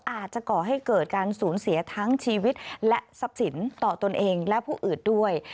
ก่อให้เกิดการสูญเสียทั้งชีวิตและทรัพย์สินต่อตนเองและผู้อื่นด้วย